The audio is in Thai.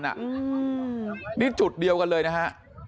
วายไปแล้วขวาตัวเด็กได้ทันอ่ะงงนี่จุดเดียวกันเลยนะฮะ